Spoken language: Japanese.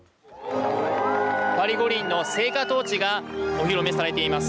パリ五輪の聖火トーチがお披露目されています。